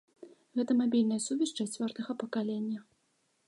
Гэта мабільная сувязь чацвёртага пакалення.